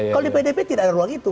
kalau di pdp tidak ada ruang itu